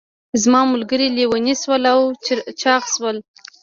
زما ملګري لیوني شول او چاغ شول.